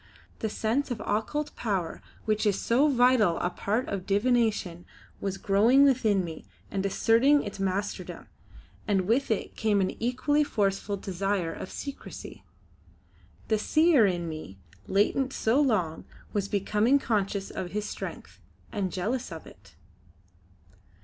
The sense of occult power which is so vital a part of divination was growing within me and asserting its masterdom, and with it came an equally forceful desire of secrecy. The Seer in me, latent so long, was becoming conscious of his strength, and jealous of it.